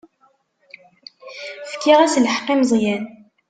Fkiɣ-as lḥeqq i Meẓyan.